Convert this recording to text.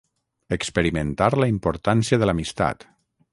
Experimentar la importància de l'amistat.